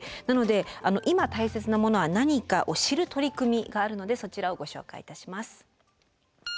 なので今たいせつなものは何かを知る取り組みがあるのでそちらをご紹介いたします。